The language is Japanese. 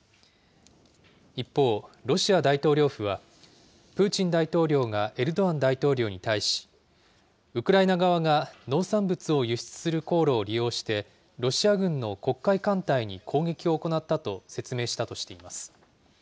一方、ロシア大統領府は、プーチン大統領がエルドアン大統領に対し、ウクライナ側が、農産物を輸出する航路を利用して、ロシア軍の黒海艦隊に攻撃を行ったと説明したとしています。